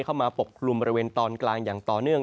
ปกคลุมบริเวณตอนกลางอย่างต่อเนื่อง